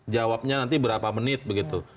jawabnya nanti berapa menit begitu